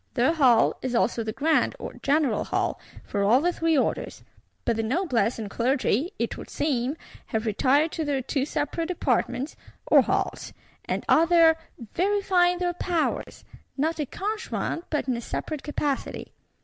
Their Hall is also the Grand or general Hall for all the Three Orders. But the Noblesse and Clergy, it would seem, have retired to their two separate Apartments, or Halls; and are there "verifying their powers," not in a conjoint but in a separate capacity.